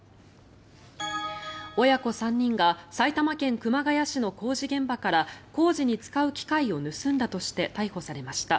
親子３人が埼玉県熊谷市の工事現場から工事に使う機械を盗んだとして逮捕されました。